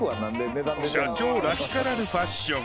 社長らしからぬファッション。